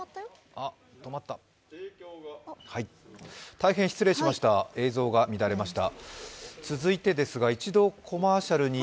大変失礼しました、映像が乱れました。